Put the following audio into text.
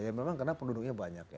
ya memang karena penduduknya banyak ya